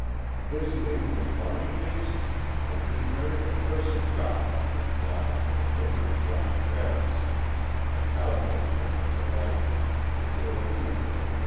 His name was Barney Mason, and he carried a curse of God on his brow for the killing of John Farris, a cowboy friend of the writer's, in the early winter of 1878.